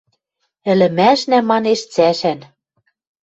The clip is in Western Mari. — Ӹлӹмӓшнӓ, — манеш, — цӓшӓн